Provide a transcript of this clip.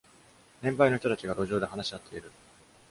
年配の人たちが路上で話し合っている。